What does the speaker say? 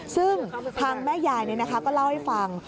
ซึ่งทางแม่ยายก็เล่าให้ฟัง